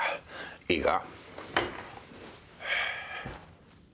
いいか。